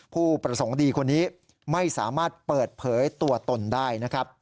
ผู้ประสงค์ดีคนนี้ไม่สามารถเปิดเผยตัวตนได้นะครับ